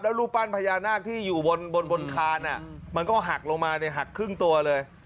แล้วรูปปั้นพญานาคที่อยู่บนบนวนคารมันก็หักลมันได้หักครึ่งตัวเลย